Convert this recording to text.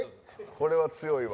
これは強いわ。